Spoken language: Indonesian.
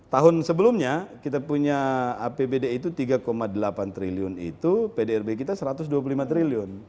tahun sebelumnya kita punya apbd itu tiga delapan triliun itu pdrb kita satu ratus dua puluh lima triliun